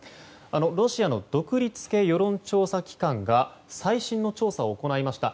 ロシアの独立系世論調査機関が最新の調査を行いました。